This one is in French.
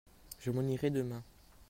Je m'en irai demain.